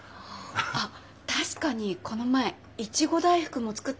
あっ確かにこの前いちご大福も作ってましたもんね。